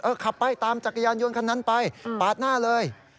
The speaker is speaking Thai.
ขับไปตามจักรยานยนต์คันนั้นไปปาดหน้าเลย